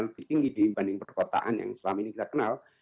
lebih tinggi dibanding perkotaan yang selama ini kita kenal